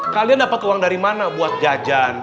kalian dapat uang dari mana buat jajan